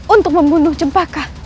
untuk membunuh jempaka